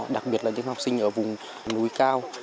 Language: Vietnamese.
đặc biệt là những học sinh ở vùng núi cao